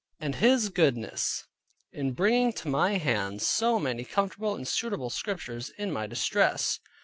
And His goodness in bringing to my hand so many comfortable and suitable scriptures in my distress.